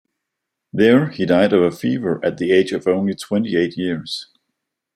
There he died of a fever at the age of only twenty-eight years.